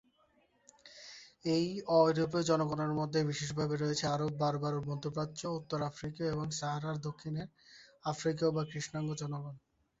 এই অ-ইউরোপীয় জনগণের মধ্যে বিশেষভাবে রয়েছে আরব/বার্বার মধ্যপ্রাচ্য, উত্তর আফ্রিকীয় এবং সাহারার দক্ষিণের আফ্রিকীয় বা কৃষ্ণাঙ্গ জনগণ।